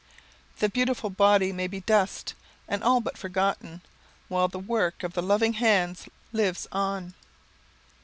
The beautiful body may be dust and all but forgotten, while the work of the loving hands lives on.